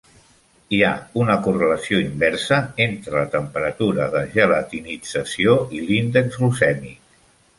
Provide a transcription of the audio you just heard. Hi ha una correlació inversa entre la temperatura de gelatinització i l'índex glucèmic.